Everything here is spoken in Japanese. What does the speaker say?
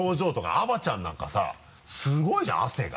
あばちゃんなんかさすごいじゃん汗が。